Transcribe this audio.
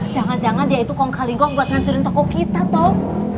jangan jangan dia itu kongkaling gong buat ngancurin toko kita tom